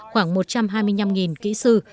khoảng một trăm hai mươi năm kỹ sư